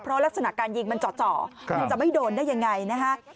เพราะลักษณะการยิงมันเจาะมันจะไม่โดนได้ยังไงนะฮะ